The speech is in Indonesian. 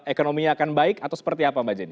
ekonominya akan baik atau seperti apa mbak jenn